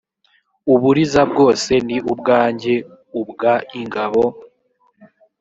uburiza bwose ni ubwanjye ubw ingabo